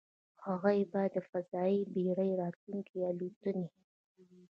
هغې باید د فضايي بېړۍ راتلونکې الوتنې